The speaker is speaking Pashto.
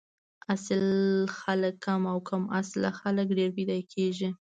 اصل خلک کم او کم اصل خلک ډېر پیدا کیږي